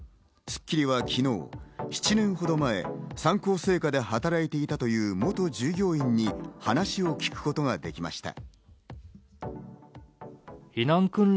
『スッキリ』は昨日、７年ほど前、三幸製菓で働いていたという元従業員に話を聞くことができました。